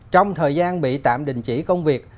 trong thời gian bị tạm đình chỉ công việc